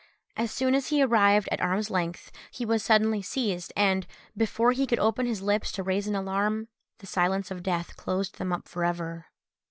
As soon as he arrived at arm's length, he was suddenly seized, and, before he could open his lips to raise an alarm, the silence of death closed them up for ever.